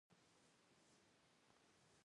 د ژبې درې ستر ګناهونه غیبت، درواغ او چغلي دی